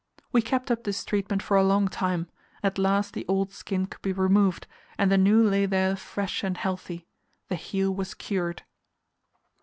We kept up this treatment for a long time; at last the old skin could be removed, and the new lay there fresh and healthy. The heel was cured.